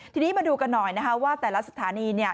ทีนี้มาดูกันหน่อยนะคะว่าแต่ละสถานีเนี่ย